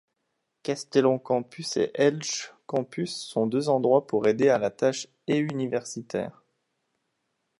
Castellón campus et Elche campus sont deux endroits pour aider à la tâche éuniversitaire.